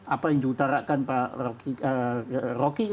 apa yang diutarakan pak rocky